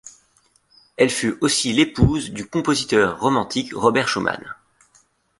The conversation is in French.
Elle fut aussi l’épouse du compositeur romantique Robert Schumann.